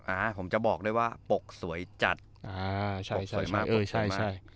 อ่าผมจะบอกด้วยว่าปกสวยจัดอ่าใช่ใช่ปกสวยมากปกสวยมากเออใช่ใช่